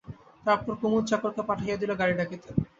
তারপর কুমুদ চাকরকে পাঠাইয়া দিল গাড়ি ডাকিতে।